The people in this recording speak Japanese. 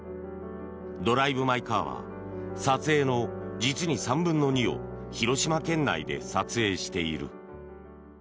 「ドライブ・マイ・カー」は撮影の実に３分の２を広島県内で撮影している。